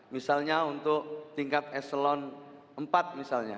misalnya untuk tingkat eselon empat misalnya